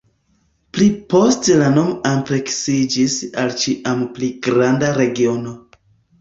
Pli poste la nomo ampleksiĝis al ĉiam pli granda regiono.